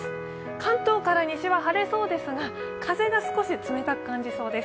関東から西は晴れそうですが、風が少し冷たく感じそうです。